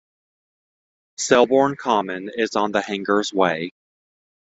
Selborne Common is on the Hangers Way.